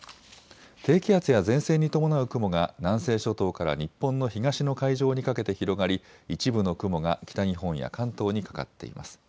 低気圧や前線に伴う雲が南西諸島から日本の東の海上にかけて広がり、一部の雲が北日本や関東にかかっています。